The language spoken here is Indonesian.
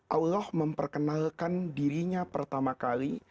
allah memperkenalkan dirinya pertama kali